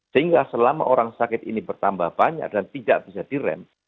sehingga selama orang sakit ini bertambah banyak dan tidak bisa direm